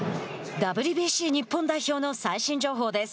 ＷＢＣ日本代表の最新情報です。